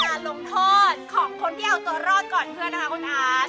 ล้านลงโทษของคนที่ยาวตัวรอดก่อนเพื่อนนะคะคุณอาจ